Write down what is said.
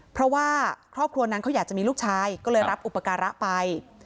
เพราะว่าครอบครัวนั้นเขาอยากจะมีลูกชายก็เลยรับอุปการะไป